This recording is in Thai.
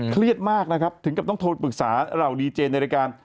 เครียดมากนะครับถึงกับต้องโทรปรึกษาเหล่าดีเจนในรายการ